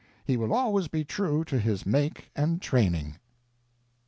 He will always be true to his make and training.